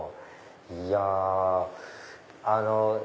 いやあの。